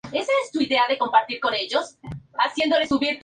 Agüimes cuenta con escudo heráldico, bandera y pendón municipales oficiales.